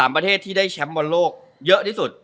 ประเทศที่ได้แชมป์บอลโลกเยอะที่สุด